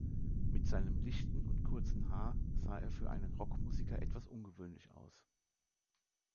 Mit seinem lichten und kurzen Haar sah er für einen Rockmusiker etwas ungewöhnlich aus.